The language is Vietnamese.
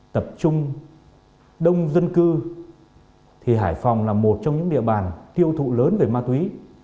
tập trung đông dân cư thì hải phòng là một trong những địa bàn tiêu thụ lớn về ma túy